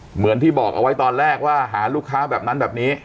เหมือนที่บอกเอาไว้ตอนแรกว่าหาลูกค้าแบบนั้นแบบนี้